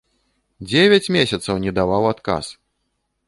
Дзевяць месяцаў не даваў адказ!